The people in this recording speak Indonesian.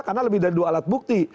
karena lebih dari dua alat bukti